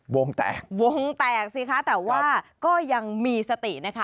วงแตกค่ะแต่ว่าก็ยังมีสตินะคะ